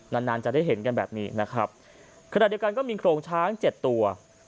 นานนานจะได้เห็นกันแบบนี้นะครับขณะเดียวกันก็มีโครงช้างเจ็ดตัว